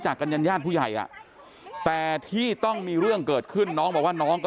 จักกันอย่างรู้ใหญ่แต่ที่ต้องมีเรื่องเกิดขึ้นน้องว่าน้องก็